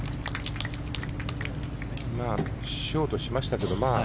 ショートしましたけど。